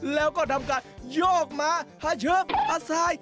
แล้วก็ทำการโยกหมาหาเชือกอาศัย